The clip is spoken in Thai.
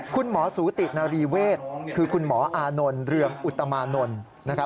คุณหมอสูตินารีเวศคือคุณหมออานนท์เรืองอุตมานนท์